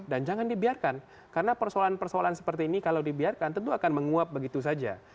dan jangan dibiarkan karena persoalan persoalan seperti ini kalau dibiarkan tentu akan menguap begitu saja